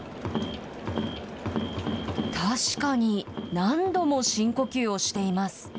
確かに何度も深呼吸をしています。